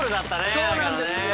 そうなんですよ。